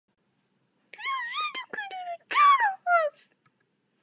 He was educated at Charterhouse.